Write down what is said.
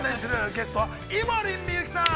ゲストは井森美幸さん。